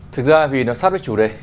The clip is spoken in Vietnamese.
thực ra vì nó sắp với chủ đề